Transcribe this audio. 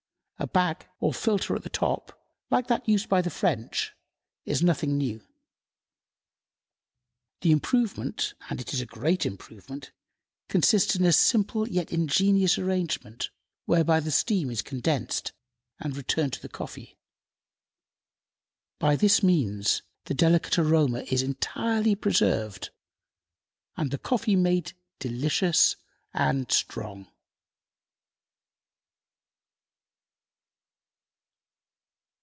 A bag or filter at the top, like that used by the French, is nothing new. The improvement and it is a great improvement consists in a simple yet ingenious arrangement whereby the steam is condensed and returned to the coffee. By this means the delicate aroma is entirely preserved, and the coffee made delicious and strong.